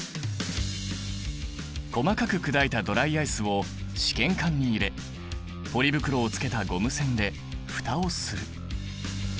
細かく砕いたドライアイスを試験管に入れポリ袋をつけたゴム栓で蓋をする。